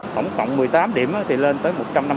tổng cộng một mươi tám điểm thì lên tới một trăm năm mươi ba tấn